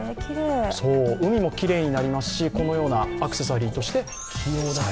海もきれいになりますし、このようなアクセサリーとして再利用。